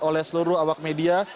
oleh seluruh awak media